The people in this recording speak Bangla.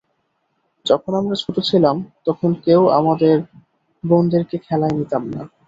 যখন আমরা ছোট ছিলাম, তখন কেউ আমাদের বোনদেরকে খেলায় নিতাম না।